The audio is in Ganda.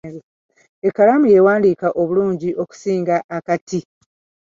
Ekkalaamu y’ewandiika obulungi okusinga akati.